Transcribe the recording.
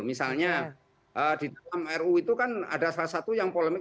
misalnya di dalam ru itu kan ada salah satu yang polemik